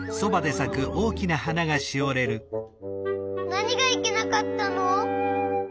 なにがいけなかったの？